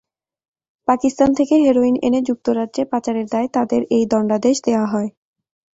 পাকিস্তান থেকে হেরোইন এনে যুক্তরাজ্যে পাচারের দায়ে তাঁদের এ দণ্ডাদেশ দেওয়া হয়।